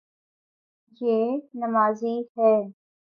یے نمازی ہے